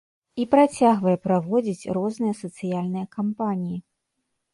І працягвае праводзіць розныя сацыяльныя кампаніі.